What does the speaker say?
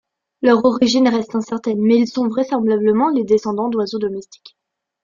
Leur origine reste incertaine, mais ils sont vraisemblablement les descendants d'oiseaux domestiques.